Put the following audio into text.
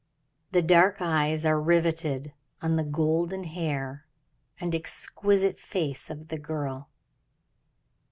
The dark eyes are riveted on the golden hair and exquisite face of the girl.